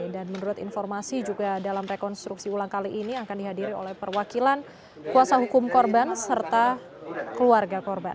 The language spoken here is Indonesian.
dan menurut informasi juga dalam rekonstruksi ulang kali ini akan dihadiri oleh perwakilan kuasa hukum korban serta keluarga korban